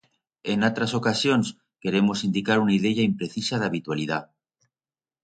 En atras ocasions queremos indicar una ideya imprecisa d'habitualidat.